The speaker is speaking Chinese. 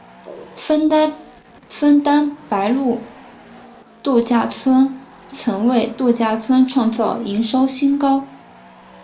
枫丹白露度假村曾为度假村创造营收新高。